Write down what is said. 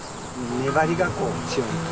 粘りがこう強い。